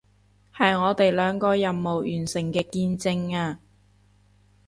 係我哋兩個任務完成嘅見證啊